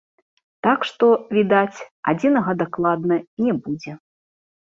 Так што, відаць, адзінага дакладна не будзе.